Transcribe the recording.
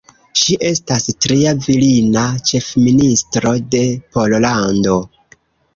Ŝi estas tria virina ĉefministro de Pollando.